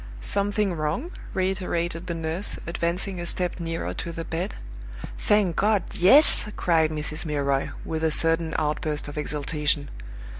"Something wrong?" reiterated the nurse, advancing a step nearer to the bed. "Thank God yes!" cried Mrs. Milroy, with a sudden outburst of exultation.